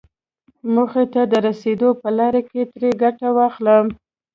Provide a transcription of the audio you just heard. موخې ته د رسېدو په لاره کې ترې ګټه واخلم.